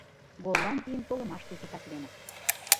Голландийым толымаште титакленыт.